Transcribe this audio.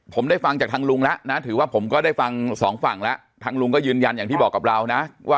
ผมไม่ทราบแล้วลุงตามได้เยอะขนาดนี้เลยเหรอครับ